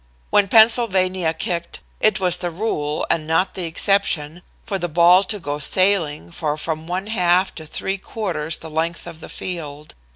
When Pennsylvania kicked, it was the rule and not the exception for the ball to go sailing for from one half to three quarters the length of the field.